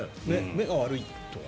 目が悪いと。